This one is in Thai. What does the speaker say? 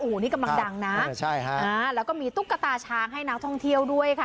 โอ้โหนี่กำลังดังนะแล้วก็มีตุ๊กตาช้างให้นักท่องเที่ยวด้วยค่ะ